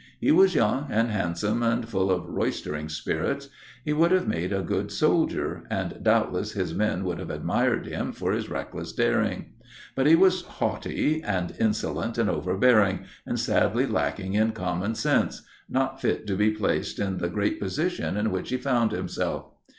He was young, and handsome, and full of roistering spirits; he would have made a good soldier, and doubtless his men would have admired him for his reckless daring; but he was haughty, and insolent, and overbearing, and sadly lacking in common sense not fit to be placed in the great position in which he found himself.